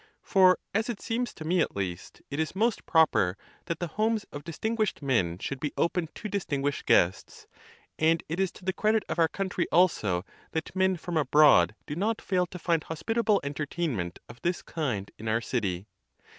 For, as it seems to me at least, it is ^enefiMiTce is most proper that the homes of distinguished men hospitaiity. should be open to distinguished guests. And it is to the credit of our country also that men from abroad do not fail to find hospitable entertainment of this kind in our city.